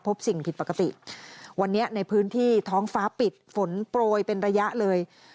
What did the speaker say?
พบสิ่งผิดปกติวันนี้ในพื้นที่ท้องฟ้าปิดฝนโปรยเป็นระยะเลย